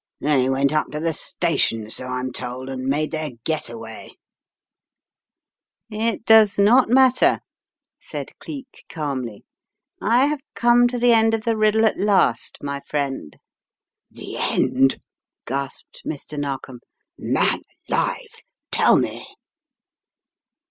They went up to the station, so I'm told, and made their get away." The Trap 263 "It does not matter," said Cleek, calmly. "I have come to the end of the riddle at last, my friend/ 9 "The end!" gasped Mr. Narkom. "Man alive, tell me."